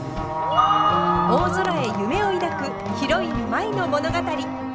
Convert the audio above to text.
大空へ夢を抱くヒロイン舞の物語。